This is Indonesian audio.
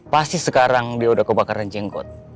pasti sekarang dia udah kebakaran jengkot